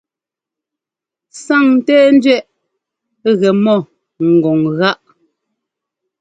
Sáŋńtɛ́ɛńdẅɛꞌ gɛ mɔ ŋgɔŋ gáꞌ.